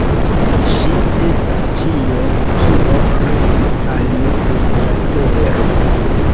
Ŝi estas ĉio, kio restis al mi sur la tero.